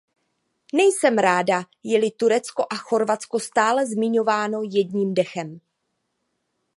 Nejsem ráda, je-li Turecko a Chorvatsko stále zmiňováno jedním dechem.